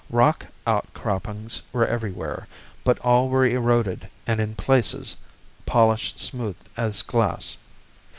Rock outcroppings were everywhere, but all were eroded and in places polished smooth as glass.